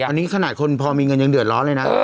อันนี้ขนาดคนพอมีเงินยังเดือดร้อนเลยนะ